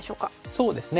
そうですね